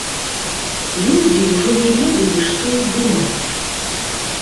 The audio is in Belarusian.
Людзі ўжо не ведалі, што і думаць.